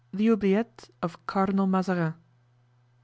The Oubliettes of Cardinal Mazarin.